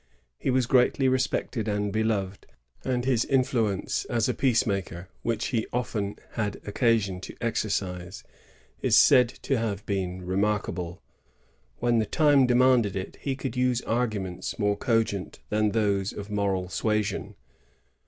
He was greatly respected and beloved; and his influence as a peace maker, which he often had occasion to exercise, is said to have been remarkable. When the time demanded it, he could use arguments more cogent than those of moral suasion.